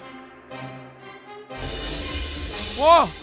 โอ้โห